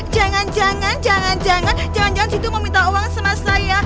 jangan jangan jangan jangan si itu mau minta uang sama saya